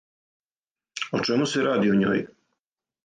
О чему се ради у њој?